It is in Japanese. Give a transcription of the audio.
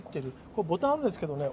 これボタンあるんですけどね